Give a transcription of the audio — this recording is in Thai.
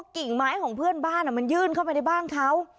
กิ่งไม้ของเพื่อนบ้านมันยื่นเข้าไปในบ้านเขา